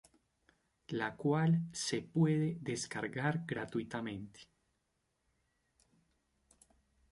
La cual se puede descargar gratuitamente.